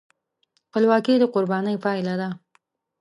خپلواکي د قربانۍ پایله ده.